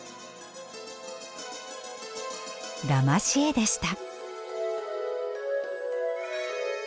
だまし絵でした。